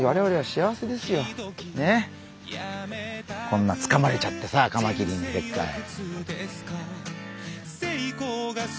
こんなつかまれちゃってさカマキリにでっかい。